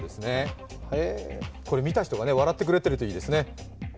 これ、見た人が笑ってくれてるといいですね。